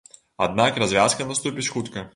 Аднак развязка наступіць хутка.